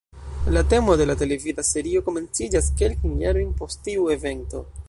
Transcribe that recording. La temo de la televida serio komenciĝas kelkajn jarojn post tiu evento.